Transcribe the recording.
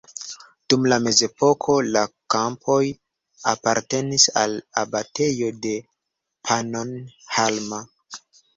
Dum la mezepoko la kampoj apartenis al abatejo de Pannonhalma.